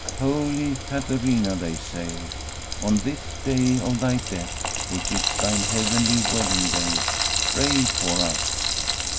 * Holy Caterina/ they say, * on this the day of thy death, which is thine heavenly wedding day, pray for us